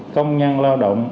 ba công nhân lao động